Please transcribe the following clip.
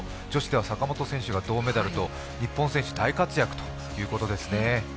女子では坂本選手が銅メダルと日本選手大活躍ということですね。